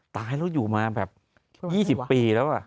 ตายแล้วอยู่มาแบบ๒๐ปีแล้ว